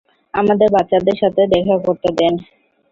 আমাদের বাচ্চাদের সাথে দেখা করতে দেন।